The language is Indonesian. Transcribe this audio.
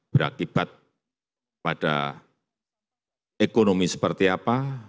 berakibat pada ekonomi seperti apa